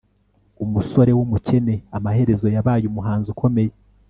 umusore wumukene amaherezo yabaye umuhanzi ukomeye